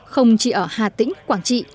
không chỉ ở hà tĩnh quảng trị